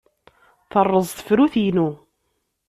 Terreẓ tefrut-inu.